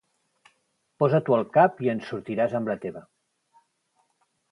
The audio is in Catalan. Posa-t'ho al cap i en sortiràs amb la teva.